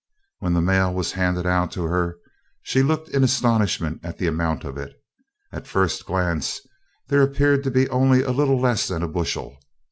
When the mail was handed out to her, she looked in astonishment at the amount of it. At first glance, there appeared to be only a little less than a bushel.